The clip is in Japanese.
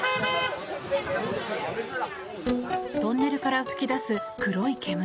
トンネルから噴き出す黒い煙。